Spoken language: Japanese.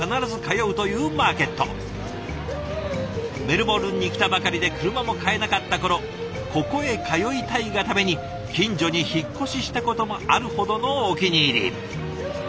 メルボルンに来たばかりで車も買えなかった頃ここへ通いたいがために近所に引っ越ししたこともあるほどのお気に入り。